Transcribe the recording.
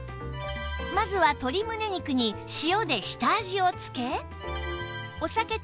まずは鶏むね肉に塩で下味をつけ